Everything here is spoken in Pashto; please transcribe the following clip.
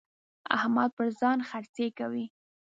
احمد پر ځان خرڅې کوي.